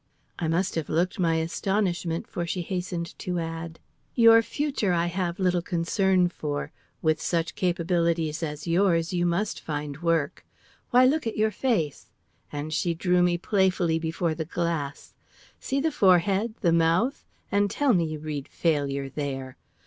I must have looked my astonishment, for she hastened to add: "Your future I have little concern for. With such capabilities as yours, you must find work. Why, look at your face!" and she drew me playfully before the glass. "See the forehead, the mouth, and tell me you read failure there!